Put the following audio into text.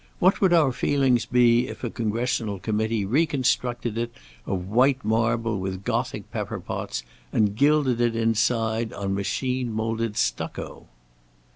What would our feelings be if a Congressional committee reconstructed it of white marble with Gothic pepper pots, and gilded it inside on machine moulded stucco!"